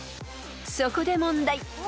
［そこで問題］